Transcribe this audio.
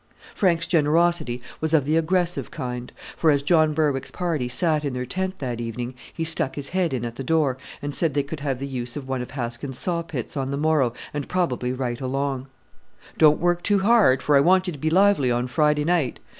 Frank's generosity was of the aggressive kind, for as John Berwick's party sat in their tent that evening he stuck his head in at the door and said they could have the use of one of Haskins' saw pits on the morrow, and probably right along. "Don't work too hard, for I want you to be lively on Friday night!